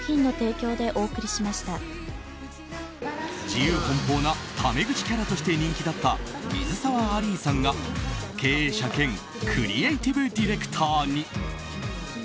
自由奔放なタメ口キャラとして人気だった水沢アリーさんが経営者兼クリエーティブディレクターに。